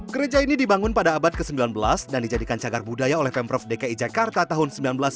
gereja ini dibangun pada abad ke sembilan belas dan dijadikan cagar budaya oleh pemprov dki jakarta tahun seribu sembilan ratus sembilan puluh